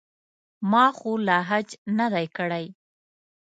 ما خو لا حج نه دی کړی.